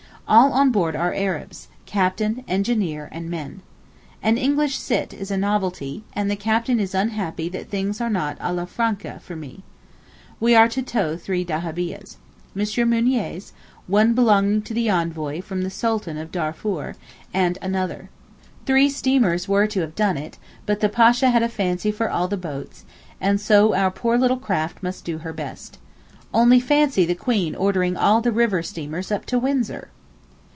All on board are Arabs—captain, engineer, and men. An English Sitt is a novelty, and the captain is unhappy that things are not alla Franca for me. We are to tow three dahabiehs—M. Mounier's, one belonging to the envoy from the Sultan of Darfour, and another. Three steamers were to have done it, but the Pasha had a fancy for all the boats, and so our poor little craft must do her best. Only fancy the Queen ordering all the river steamers up to Windsor!